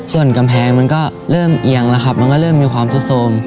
ส่วนกำแพงมันก็เริ่มเอียงแล้วครับมันก็เริ่มมีความสุดโทรม